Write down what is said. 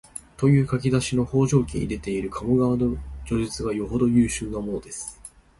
という書き出しの「方丈記」に出ている鴨川の叙述がよほど有数なものです